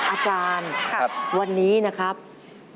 คุณอาจารย์วันนี้นะครับอยู่กันตอนนี้